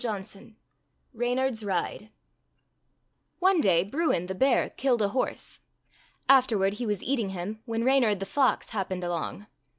REYNARD'S RIDE REYNARD'S RIDE O NE day Bruin, the bear, killed a horse. Afterward he was eating him when Reynard, the fox, happened along.